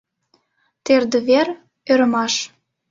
Тердывер — ӧрмаш.